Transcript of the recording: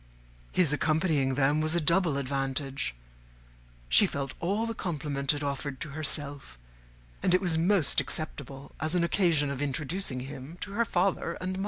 His accompanying them was a double advantage: she felt all the compliment it offered to herself; and it was most acceptable as an occasion of introducing him to her father and mother.